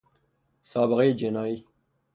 سابقهی جنایی